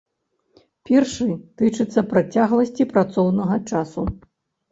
Першы тычыцца працягласці працоўнага часу.